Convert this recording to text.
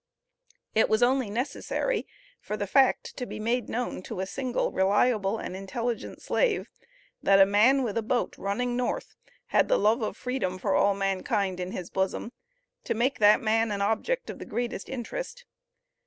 It was only necessary for the fact to be made known to a single reliable and intelligent slave, that a man with a boat running North had the love of Freedom for all mankind in his bosom to make that man an object of the greatest interest.